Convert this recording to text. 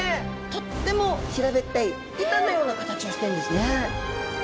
とっても平べったい板のような形をしてるんですね。